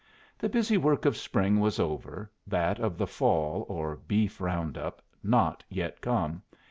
The busy work of spring was over, that of the fall, or beef round up, not yet come.